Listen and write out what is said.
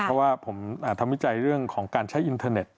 เพราะว่าผมทำวิจัยเรื่องของการใช้อินเทอร์เน็ต